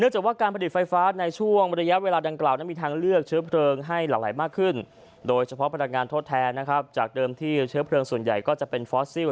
เฉพาะพลังงานทดแทนนะครับจากเดิมที่เชื้อเพลิงส่วนใหญ่ก็จะเป็นฟอสซิล